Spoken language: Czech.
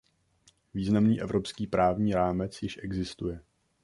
Významný evropský právní rámec již existuje.